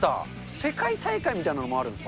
世界大会みたいなものもあるんですか？